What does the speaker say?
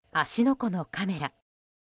湖のカメラ。